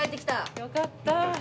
よかった。